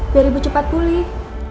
biar ibu cepat pulih